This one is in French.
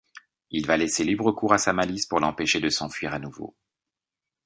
Il va laisser libre cours à sa malice pour l'empêcher de s'enfuir à nouveau...